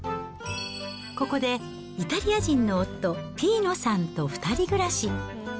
ここで、イタリア人の夫、ピーノさんと２人暮らし。